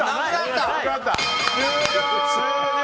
終了！